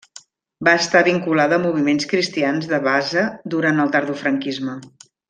Va estar vinculada a moviments cristians de base durant el tardofranquisme.